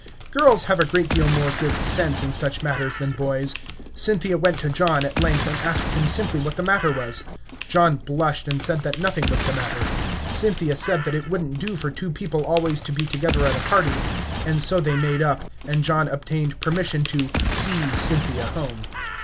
Girls have a great deal more good sense in such matters than boys. Cynthia went to John, at length, and asked him simply what the matter was. John blushed, and said that nothing was the matter. Cynthia said that it wouldn't do for two people always to be together at a party; and so they made up, and John obtained permission to "see" Cynthia home.